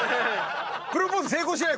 プロポーズ成功しない？